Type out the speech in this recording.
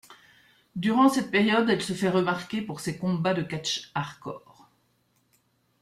Durant cette période, elle se fait remarquer pour se combats de catch hardcore.